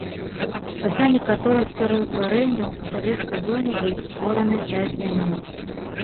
Пасля некаторых пераўтварэнняў у савецкай зоне былі створаны пяць зямель.